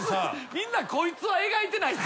みんなこいつは描いてないっすもんね。